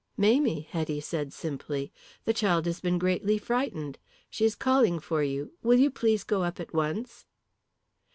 "Mamie," Hetty said simply. "The child has been greatly frightened. She is calling for you. Will you please go up at once?"